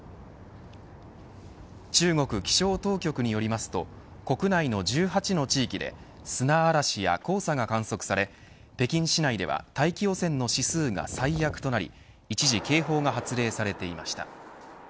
中国気象当局によりますと国内の１８の地域で砂嵐や黄砂が観測され北京市内では、大気汚染の指数が最悪となり一時警報が発令されていました。